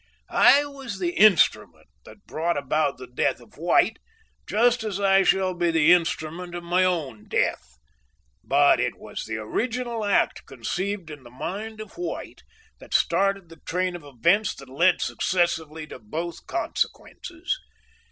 "I was the instrument that brought about the death of White, just as I shall be the instrument of my own death, but it was the original act conceived in the mind of White that started the train of events that led successively to both consequences.